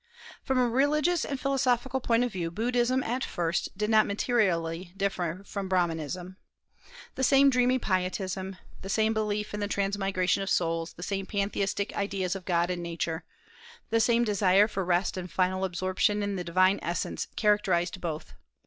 From a religious and philosophical point of view, Buddhism at first did not materially differ from Brahmanism. The same dreamy pietism, the same belief in the transmigration of souls, the same pantheistic ideas of God and Nature, the same desire for rest and final absorption in the divine essence characterized both.